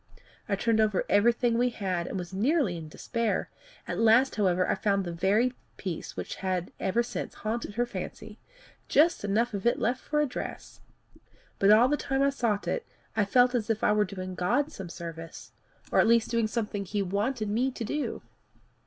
I turned over everything we had, and was nearly in despair. At last, however, I found the very piece which had ever since haunted her fancy just enough of it left for a dress! But all the time I sought it, I felt as if I were doing God service or at least doing something he wanted me to do.